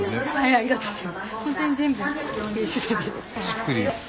ありがとうございます。